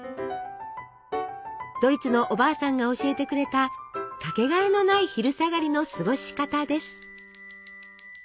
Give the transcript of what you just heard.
ドイツのおばあさんが教えてくれた掛けがえのない昼下がりの過ごし方です。